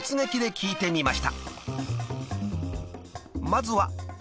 ［まずは］